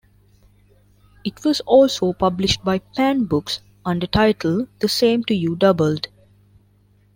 It was also published by Pan Books under title The Same To You Doubled.